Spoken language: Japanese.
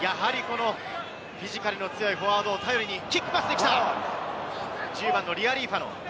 フィジカルの強いフォワードを頼りにキックパスできた、リアリーファノ。